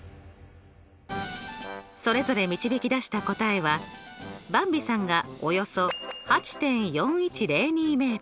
それぞれ導き出した答えはばんびさんがおよそ８．４１０２ｍ